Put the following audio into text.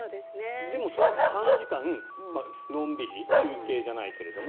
でもそのあと３時間、のんびり休憩じゃないけれども。